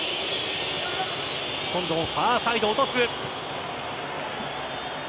今度もファーサイド、落とす。